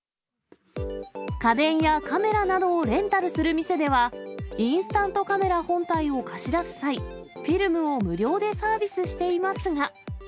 家電やカメラなどをレンタルする店では、インスタントカメラ本体を貸し出す際、フィルムを無料でサービスしていますが。